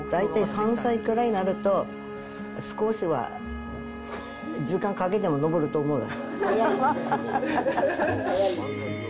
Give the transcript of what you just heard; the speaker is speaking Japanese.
大体３歳くらいになると、少しは、時間かけても上ると思うよ。